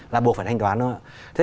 là buộc phải thanh toán thôi ạ